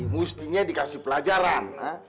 mustinya dikasih pelajaran